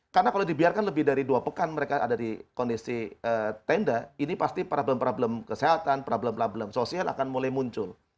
karena kalau dibiarkan lebih dari dua pekan mereka ada di kondisi tenda ini pasti problem problem kesehatan problem problem sosial akan mulai muncul